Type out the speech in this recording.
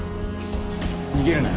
逃げるなよ。